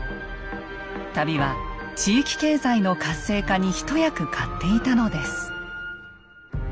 旅は地域経済の活性化に一役買っていたのです。